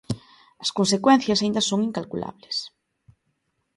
As consecuencias aínda son incalculables.